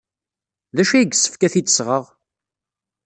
D acu ay yessefk ad t-id-sɣeɣ?